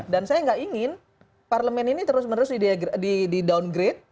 dan saya nggak ingin parlemen ini terus menerus di downgrade